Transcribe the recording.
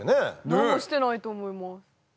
何もしてないと思います。